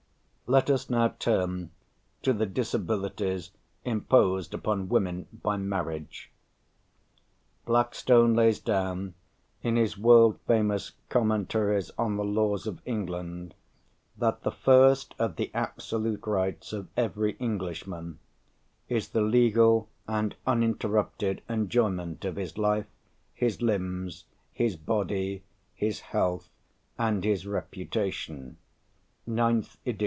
Let us now turn to the disabilities imposed upon women by marriage. Blackstone lays down, in his world famous "Commentaries on the Laws of England," that the first of the "absolute rights of every Englishman" is "the legal and uninterrupted enjoyment of his life, his limbs, his body, his health, and his reputation" (9th ed.